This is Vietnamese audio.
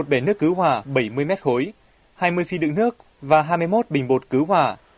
một bể nước cứu hỏa bảy mươi mét khối hai mươi phi đựng nước và hai mươi một bình bột cứu hỏa